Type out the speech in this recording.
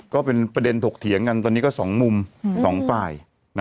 ก็เป็นประเด็นถกเถียงกันตอนนี้ก็๒มุมสองฝ่าย